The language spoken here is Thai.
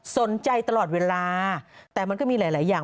สนใจตลอดเวลาแต่มันก็มีหลายอย่าง